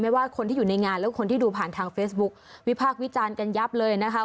ว่าคนที่อยู่ในงานหรือคนที่ดูผ่านทางเฟซบุ๊ควิพากษ์วิจารณ์กันยับเลยนะคะ